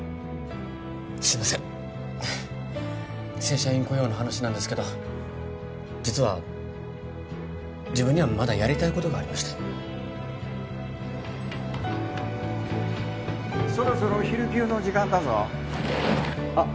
すいません正社員雇用の話なんですけど実は自分にはまだやりたいことがありましてそろそろ昼休の時間だぞあっ